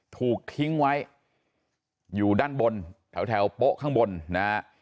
ถูกทิ้งไว้อยู่ด้านบนแถวโป๊ะข้างบนนะฮะ